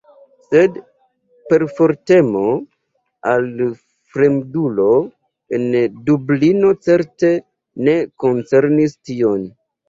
Sed perfortemo al fremdulo en Dublino certe ne koncernis tion.